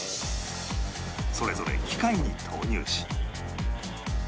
それぞれ機械に投入し